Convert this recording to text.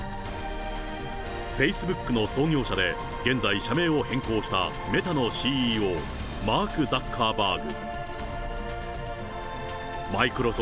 フェイスブックの創業者で現在、社名を変更したＭｅｔａのＣＥＯ、マーク・ザッカーバーグ。